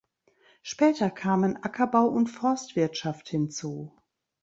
Später kamen Ackerbau und Forstwirtschaft hinzu.